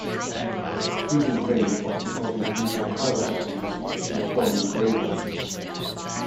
Freezing rain often causes major power outages by forming glaze ice.